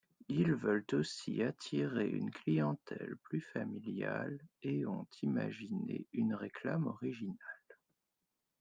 Ils veulent aussi attirer une clientèle plus familiale et ont imaginé une réclame originale.